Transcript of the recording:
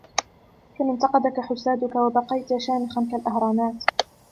كم انتقدك حسادك وبقيت شامخاً كالأهرامات.